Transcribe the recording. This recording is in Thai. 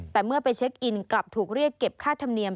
แต่เมื่อไปเช็คอินกลับถูกเรียกเก็บค่าธรรมเนียม